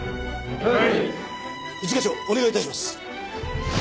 はい！